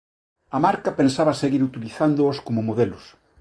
A marca pensaba seguir utilizándoos como modelos.